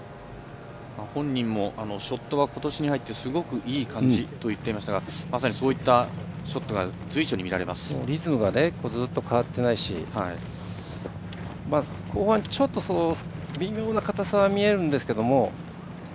本人もショットはことしに入ってすごくいい感じとまさにそういったショットがリズムがずっと変わっていないし後半、ちょっと微妙な硬さが見えるんですけど。